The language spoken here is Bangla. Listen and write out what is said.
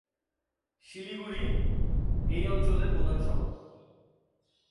শিলিগুড়ি এই অঞ্চলের প্রধান শহর।